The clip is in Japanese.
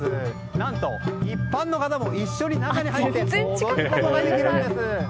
何と、一般の方も一緒に中に入れて踊ることができるんです。